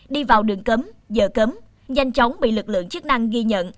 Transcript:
đi vào đường cấm giờ cấm nhanh chóng bị lực lượng chức năng ghi nhận